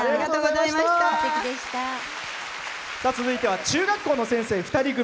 続いては中学校の先生２人組。